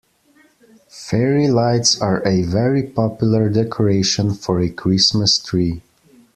Fairy lights are a very popular decoration for a Christmas tree